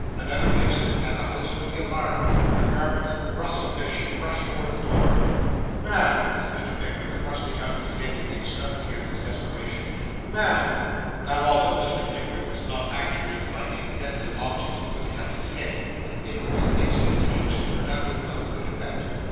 Another instant and the house would be alarmed. Her garments rustled as she rushed towards the door. 'Ma'am,' said Mr. Pickwick, thrusting out his head in the extremity of his desperation, 'ma'am!' Now, although Mr. Pickwick was not actuated by any definite object in putting out his head, it was instantaneously productive of a good effect.